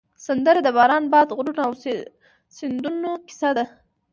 سندره د باران، باد، غرونو او سیندونو کیسه ده